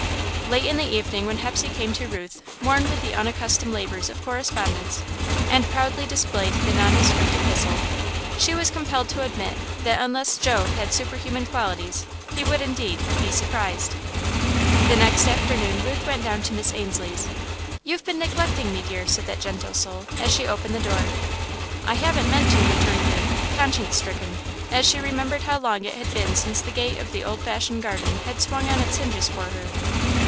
Late in the evening, when Hepsey came to Ruth, worn with the unaccustomed labours of correspondence, and proudly displayed the nondescript epistle, she was compelled to admit that unless Joe had superhuman qualities he would indeed "be surprised." The next afternoon Ruth went down to Miss Ainslie's. "You've been neglecting me, dear," said that gentle soul, as she opened the door. "I haven't meant to," returned Ruth, conscience stricken, as she remembered how long it had been since the gate of the old fashioned garden had swung on its hinges for her.